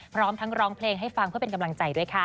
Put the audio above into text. พร้อมทั้งร้องเพลงให้ฟังเพื่อเป็นกำลังใจด้วยค่ะ